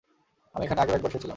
আমি এখানে আগেও একবার এসেছিলাম।